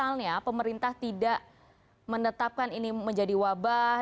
misalnya pemerintah tidak menetapkan ini menjadi wabah